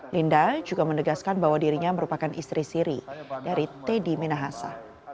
linda juga menegaskan bahwa dirinya merupakan istri siri dari teddy minahasa